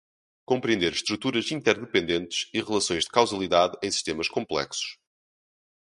Compreender estruturas interdependentes e relações de causalidade em sistemas complexos.